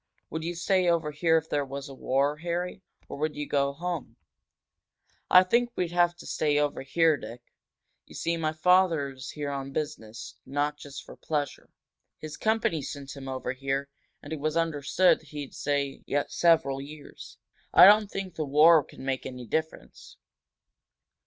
"Would you stay over here if there was a war, Harry? Or would you go home?" "I think we'd have to stay over here, Dick. You see, my father is here on business, not just for pleasure. His company sent him over here, and it was understood he'd stay several years. I don't think the war could make any difference."